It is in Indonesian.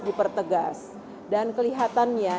dipertegas dan kelihatannya